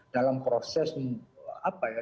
dalam proses apa ya